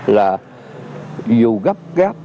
là dù gấp gấp